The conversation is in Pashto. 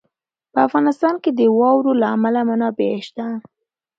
په افغانستان کې د واورو له امله منابع شته.